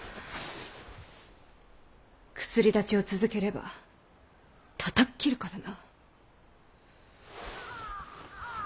薬だちを続ければたたっ斬るからな。